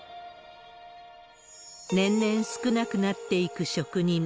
年々少なくなっていく職人。